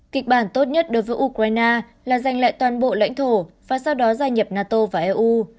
kịch bản tốt nhất đối với ukraine là giành lại toàn bộ lãnh thổ và sau đó gia nhập nato vào eu